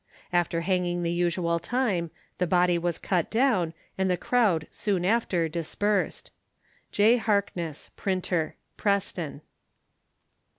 After hanging the usual time, the body was cut down, and the crowd soon after dispersed. J. Harkness, Printer, Preston.